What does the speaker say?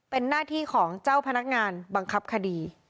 เป็นหน้าที่ของเจ้าพนักงานบังคับคดี